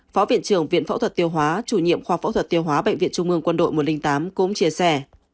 phó viện trưởng viện phẫu thuật tiêu hóa chủ nhiệm khoa phẫu thuật tiêu hóa bệnh viện trung ương quân đội một trăm linh tám cũng chia sẻ